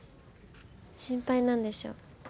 心配なんでしょ？